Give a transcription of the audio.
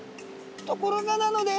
ところがなのです！